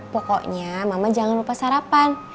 pokoknya mama jangan lupa sarapan